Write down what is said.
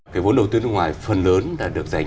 cái vốn đầu tư nước ngoài phần lớn đã được dành